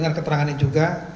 kita lihat terangannya juga